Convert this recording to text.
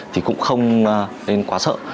thì cũng không nên quá sợ